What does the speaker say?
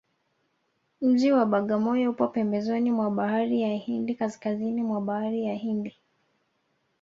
mji wa bagamoyo upo pembezoni mwa bahari ya hindi kaskazini mwa bahari ya hindi